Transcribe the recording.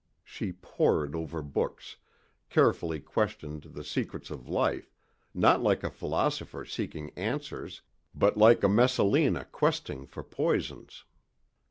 She poured over books, carefully questioned the secrets of life, not like a philosopher seeking answers but like a Messalina questing for poisons.